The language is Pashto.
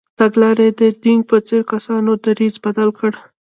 تګلارې د دینګ په څېر کسانو دریځ بدل کړ.